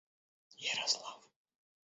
Ярослав